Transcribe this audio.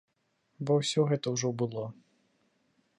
Бо ўсё гэта ўжо было.